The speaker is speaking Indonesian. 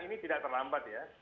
ini tidak terlambat ya